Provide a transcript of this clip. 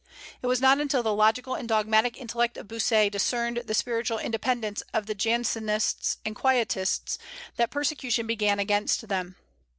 It was not until the logical and dogmatic intellect of Bossuet discerned the spiritual independence of the Jansenists and Quietists, that persecution began against them.